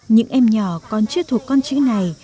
những em nhỏ còn chưa thuộc con chữ này